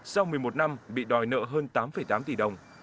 sau một mươi một năm bị đòi nợ hơn tám tám tỷ đồng